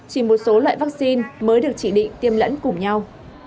chỉ một số loại vaccine mới được chỉ định tiêm lẫn cùng nhau